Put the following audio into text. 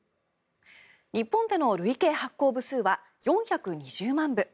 日本での累計発行部数は４２０万部。